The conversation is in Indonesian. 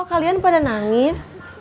kok kalian pada nangis